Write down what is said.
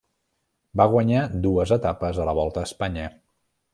Va guanyar dues etapes a la Volta a Espanya.